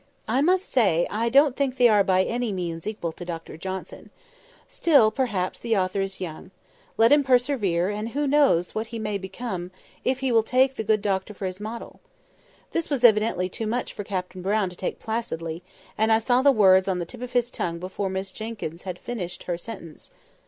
"I must say, I don't think they are by any means equal to Dr Johnson. Still, perhaps, the author is young. Let him persevere, and who knows what he may become if he will take the great Doctor for his model?" This was evidently too much for Captain Brown to take placidly; and I saw the words on the tip of his tongue before Miss Jenkyns had finished her sentence.